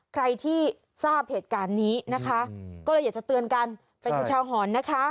ใครที่ทราบเหตุการณ์นี้นะคะก็เลยอยากจะเตือนกันเป็นอุทาหรณ์นะคะ